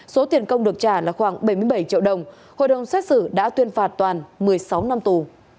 số tiền công được trả là khoảng bảy mươi bảy triệu đồng hội đồng xét xử đã tuyên phạt toàn một mươi sáu năm tù